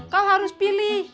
kau harus pilih